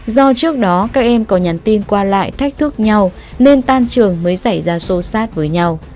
do trước đó các em có nhắn tin qua lại thách thức nhau nên tan trường mới xảy ra xô xát với nhau